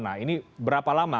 nah ini berapa lama